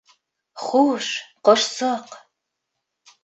— Хуш, ҡошсоҡ.